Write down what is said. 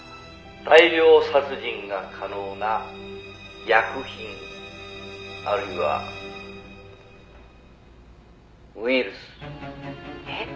「大量殺人が可能な薬品あるいは」「ウイルス」「えっ？」